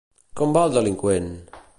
Com va el delinqüent?